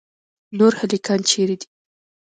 نور هلکان چیرې دي.